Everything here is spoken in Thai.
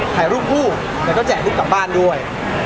ถ่ายรูปคู่แล้วก็แจกลูกกลับบ้านด้วย